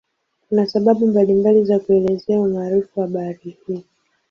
Kuna sababu mbalimbali za kuelezea umaarufu wa bahari hii.